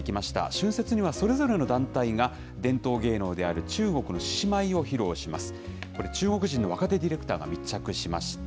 春節にはそれぞれの団体が伝統芸能である中国の獅子舞を披露します。